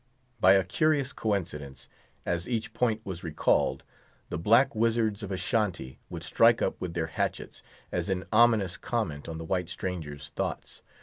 By a curious coincidence, as each point was recalled, the black wizards of Ashantee would strike up with their hatchets, as in ominous comment on the white stranger's thoughts.